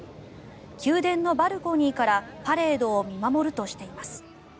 宮殿のバルコニーからパレードを見守るとしています。